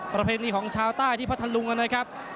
ประเพณีของชาวใต้ที่พัทธลุงนะครับ